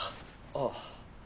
ああ。